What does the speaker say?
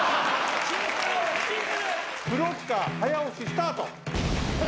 ブロッカー早押しスタート。